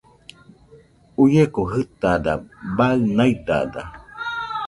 Uieko jɨtada baɨ naidada